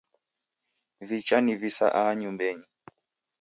Wichanivisa aha nyumbenyi